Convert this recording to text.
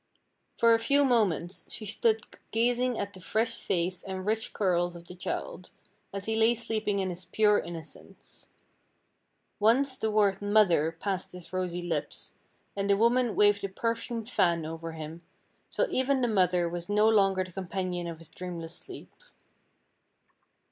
For a few moments she stood gazing at the fresh face and rich curls of the child, as he lay sleeping in his pure innocence. Once the word "mother" passed his rosy lips, and the woman waved a perfumed fan over him, till even the mother was no longer the companion of his dreamless sleep.